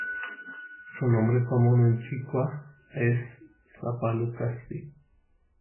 Su nombre común en quichua es "sapallu-kaspi".